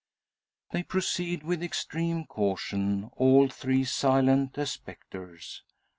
They proceed with extreme caution, all three silent as spectres.